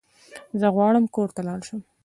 زه غواړم کور ته لاړ شم